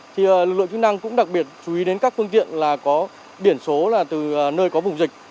thì lực lượng chức năng cũng đặc biệt chú ý đến các phương tiện là có biển số là từ nơi có vùng dịch